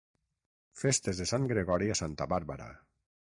Festes de Sant Gregori a Santa Bàrbara.